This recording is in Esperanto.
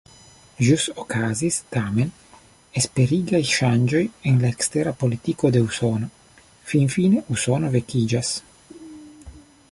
Ĵus okazis tamen esperigaj ŝanĝoj en la ekstera politiko de Usono: finfine Usono vekiĝas.